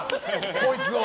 こいつを。